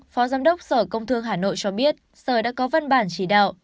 phó giám đốc sở công thương hà nội cho biết sở đã có văn bản chỉ đạo